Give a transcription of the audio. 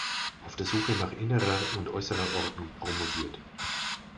Auf der Suche nach innerer und äußerer Ordnung" promoviert.